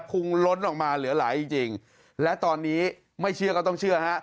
งล้นออกมาเหลือหลายจริงจริงและตอนนี้ไม่เชื่อก็ต้องเชื่อฮะ